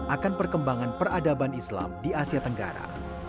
akan perkembangan peradaban islam di asia tenggara